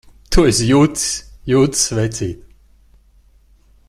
Tu esi jucis! Jucis, vecīt!